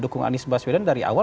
dukung anies baswedan dari awal